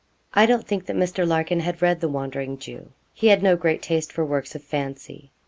I don't think that Mr. Larkin had read the 'Wandering Jew.' He had no great taste for works of fancy.